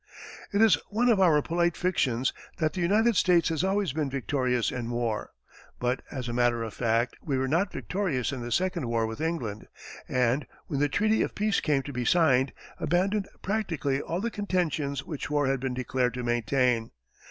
It is one of our polite fictions that the United States has always been victorious in war; but, as a matter of fact, we were not victorious in the second war with England, and, when the treaty of peace came to be signed, abandoned practically all the contentions which war had been declared to maintain.